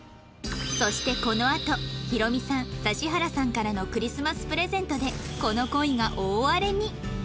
そしてこのあとヒロミさん指原さんからのクリスマスプレゼントでこの恋が大荒れに